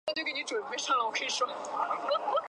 威利斯曾就读于圣保罗小学和。